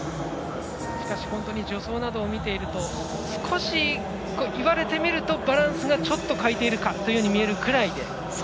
しかし本当に助走などを見ていると少し言われてみるとバランスがちょっと欠いているかというふうに見えるぐらいで。